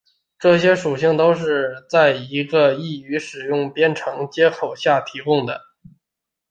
这些属性都是在一个易于使用的编程接口下提供的。